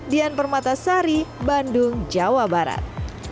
dian permatasari bandung jawa barat